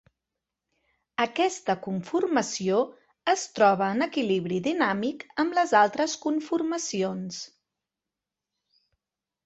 Aquesta conformació es troba en equilibri dinàmic amb les altres conformacions.